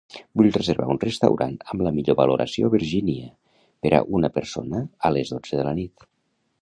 Vull reservar un restaurant amb la millor valoració a Virginia per a una persona a les dotze de la nit.